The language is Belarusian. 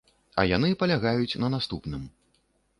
А яны палягаюць на наступным.